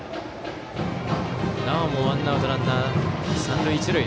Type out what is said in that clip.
なおもワンアウトランナー、三塁一塁。